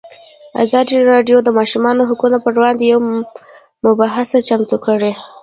ازادي راډیو د د ماشومانو حقونه پر وړاندې یوه مباحثه چمتو کړې.